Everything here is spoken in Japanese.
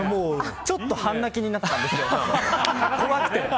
ちょっと半泣きになったんです怖くて。